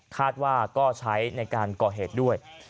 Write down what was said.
คาดว่าก็ใช้ในการก่อเหตุด้วย